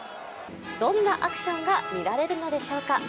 どんなアクションが見られるのでしょうか？